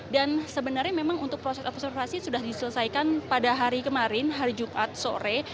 dan sebenarnya memang untuk proses observasi sudah diselesaikan pada hari kemarin hari jumat sore